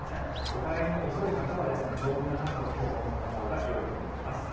お帰りの遅い方は丈夫な傘をも今日は持ったほうがいいと思います。